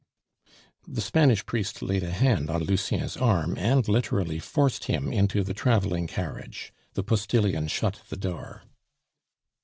The Spanish priest laid a hand on Lucien's arm, and literally forced him into the traveling carriage. The postilion shut the door.